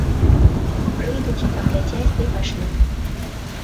Прыйдуць, паглядзяць дый пайшлі.